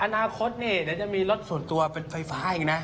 อนาคตนี่เดี๋ยวจะมีรถส่วนตัวเป็นไฟฟ้าอีกนะ